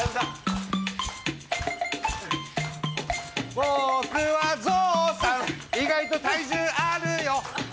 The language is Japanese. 僕はゾウさん、以外と体重あるよ。